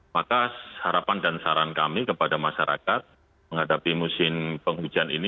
maka harapan dan saran kami kepada masyarakat menghadapi musim penghujan ini supaya tetap berjalan